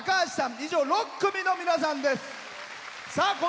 以上６組の皆さんです。